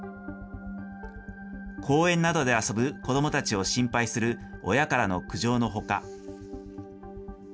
公園などで遊ぶ子どもたちを心配する親からの苦情のほか。